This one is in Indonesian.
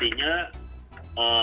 itu adalah melawan hukum